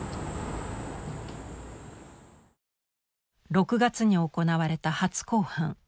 ６月に行われた初公判。